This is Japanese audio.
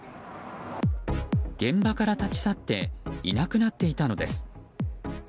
現場から立ち去っていなくなっていたのです。